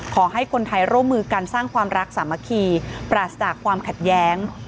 ขอให้คนไทยร่วมมือกันสร้างความรักสามัคคีปราศจากความขัดแย้ง